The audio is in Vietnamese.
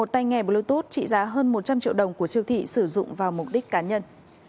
một tay nghề bluetooth trị giá hơn một trăm linh triệu đồng của siêu thị sử dụng vào mục đích cá nhân